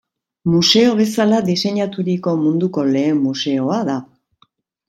Museo bezala diseinaturiko munduko lehen museoa da.